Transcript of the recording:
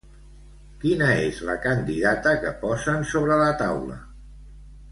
Quina és la candidata que posen sobre la taula?